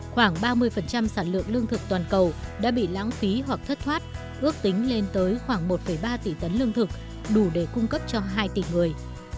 khoảng ba mươi sản lượng lương thực toàn cầu đã bị lãng phí hoặc thất thoát ước tính lên tới khoảng một ba tỷ tấn lương thực đủ để cung cấp cho hai tỷ người